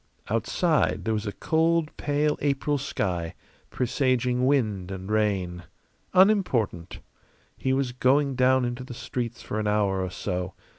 Outside there was a cold, pale April sky, presaging wind and rain. Unimportant. He was going down into the streets for an hour or so.